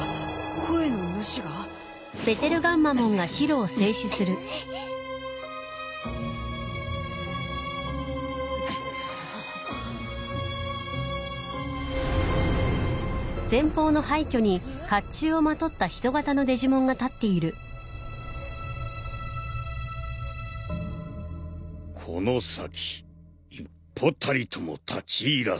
この先一歩たりとも立ち入らせぬ。